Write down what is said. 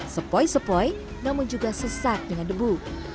sepoy sepoy namun juga sesat dengan debu